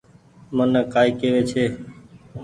منک ڪآئي ڪيوي ڇي۔